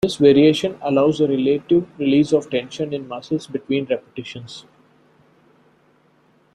This variation allows a relative release of tension in muscles between repetitions.